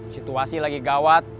situasi lagi gawat